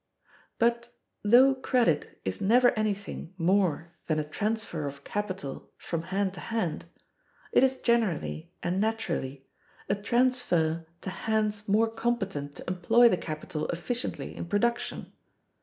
But, though credit is never anything more than a transfer of capital from hand to hand, it is generally, and naturally, a transfer to hands more competent to employ the capital efficiently in production.